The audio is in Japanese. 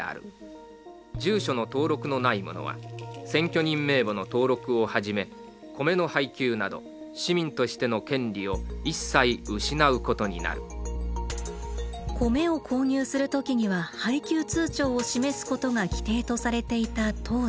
住所の登録のない者は選挙人名簿の登録をはじめ米の配給など市民としての権利を一切失うことになる米を購入する時には配給通帳を示すことが規定とされていた当時。